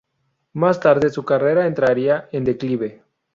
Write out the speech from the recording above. Más tarde, su carrera entraría en declive.